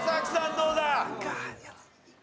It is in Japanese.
どうだ？